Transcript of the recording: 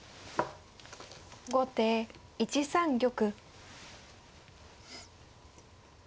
後手１三玉。